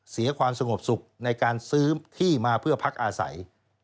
เสียความสงบสุขในการซื้อที่มาเพื่อพักอาศัย